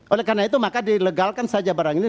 oleh karena itu maka dilegalkan saja barang ini